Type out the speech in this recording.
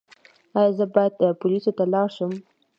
ایا زه باید پولیسو ته لاړ شم؟